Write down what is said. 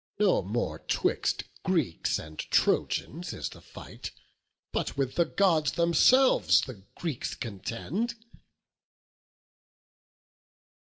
No more 'twixt Greeks and Trojans is the fight, But with the Gods themselves the Greeks contend."